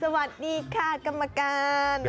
สวัสดีค่ะกรรมการ